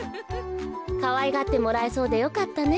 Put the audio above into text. かわいがってもらえそうでよかったね